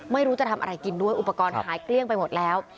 ไม่รู้จะทำอะไรกินด้วยอุปกรณ์หายเกลี้ยงไปหมดแล้ว